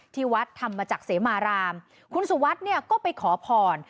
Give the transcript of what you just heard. ที่วัดทำมาจากเสมารามคุณสุวัสดิ์เนี่ยก็ไปขอผ่อน